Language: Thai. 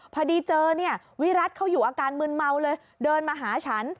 พอดีเจอเนี่ยวิรัติเขาอยู่อาการมืนเมาเลยเดินมาหาฉัน